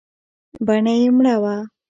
بڼه يې مړه وه .